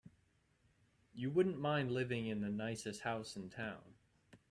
You wouldn't mind living in the nicest house in town.